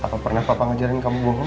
aku pernah papa ngajarin kamu bohong